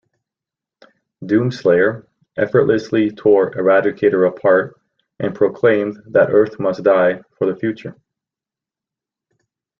Doomslayer effortlessly tore Eradicator apart and proclaimed that Earth must die for the future.